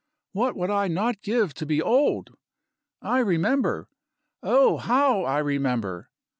What would I not give to be old! I remember! oh, how I remember!